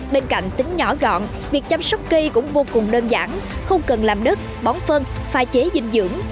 bên cạnh tính nhỏ gọn việc chăm sóc cây cũng vô cùng đơn giản không cần làm đất bón phân pha chế dinh dưỡng